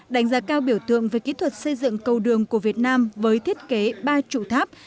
đánh giá cao biểu tượng về kỹ thuật xây dựng cầu đường của việt nam với thiết kế ba trụ tháp